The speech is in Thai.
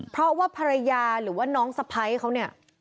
เพราะว่าภรรยาหรือว่าน้องสะพ้ายเขาเนี่ย